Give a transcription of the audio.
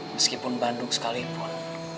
meskipun bandung sekalipun